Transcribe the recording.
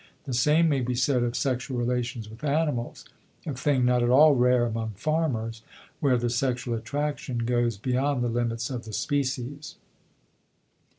The same may be said of sexual relations with animals a thing not at all rare among farmers where the sexual attraction goes beyond the limits of the species.